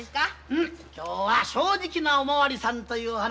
うん今日は「正直なお巡りさん」というお話。